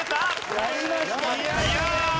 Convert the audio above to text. やりましたね。